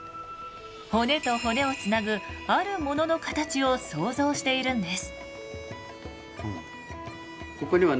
骨と骨をつなぐ「あるもの」の形を想像しているんです。